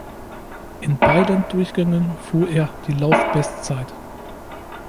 In beiden Durchgängen fuhr er die Laufbestzeit.